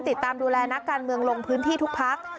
ติดตามดูแลนักการเมืองลงพื้นที่ทุกพัก